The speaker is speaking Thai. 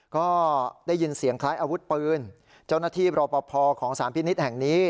ก็ได้ยินเสียงคล้ายอาวุธปืนเจ้าหน้าที่รอปภของสารพินิษฐ์แห่งนี้